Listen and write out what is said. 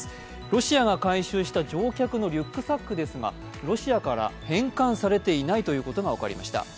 ロシアが回収した乗客のリュックサックですが、ロシアから返還されていないということが分かりました。